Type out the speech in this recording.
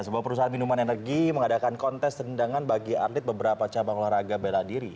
sebuah perusahaan minuman energi mengadakan kontes tendangan bagi atlet beberapa cabang olahraga bela diri